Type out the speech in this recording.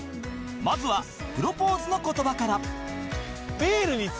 まずはプロポーズの言葉から